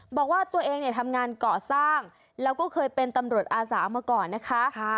บอกว่าตัวเองเนี่ยทำงานก่อสร้างแล้วก็เคยเป็นตำรวจอาสามาก่อนนะคะ